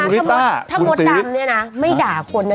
ถ้ามดดำเนี่ยนะไม่ด่าคนนะ